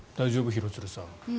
廣津留さん。